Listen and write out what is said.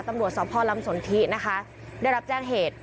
ตำรวจสพลำสนทินะคะได้รับแจ้งเหตุ